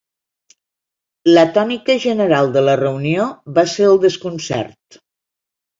La tònica general de la reunió va ser el desconcert.